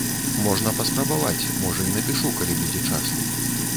Можна паспрабаваць, можа, і напішу, калі будзе час.